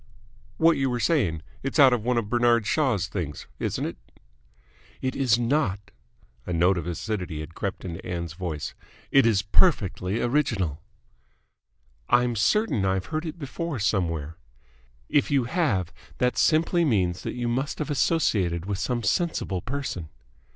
"What you were saying. It's out of one of Bernard Shaw's things, isn't it?" "It is not." A note of acidity had crept into Ann's voice. "It is perfectly original." "I'm certain I've heard it before somewhere." "If you have, that simply means that you must have associated with some sensible person."